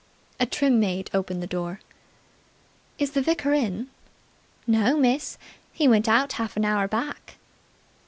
A trim maid opened the door. "Is the vicar in?" "No, miss. He went out half an hour back."